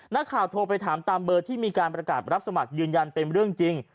นักข่าวโทรไปถามตามเบอร์ที่มีการประกาศรับสมัครยืนยันเป็นเรื่องจริง